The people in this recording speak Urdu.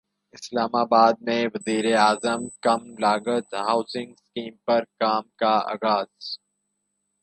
اسلام اباد میں وزیراعظم کم لاگت ہاسنگ اسکیم پر کام کا اغاز